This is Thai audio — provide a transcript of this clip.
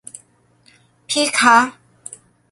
พี่คะ